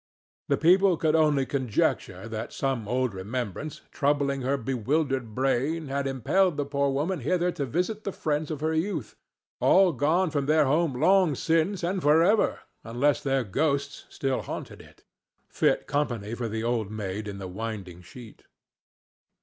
The people could only conjecture that some old remembrance, troubling her bewildered brain, had impelled the poor woman hither to visit the friends of her youth—all gone from their home long since and for ever unless their ghosts still haunted it, fit company for the Old Maid in the Winding Sheet.